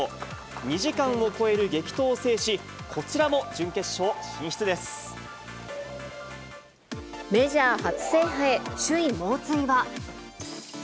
２時間を超える激闘を制し、メジャー初制覇へ、首位猛追は？